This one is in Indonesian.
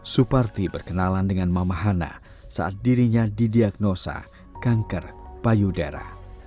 suparti berkenalan dengan mama hana saat dirinya didiagnosa kanker payudara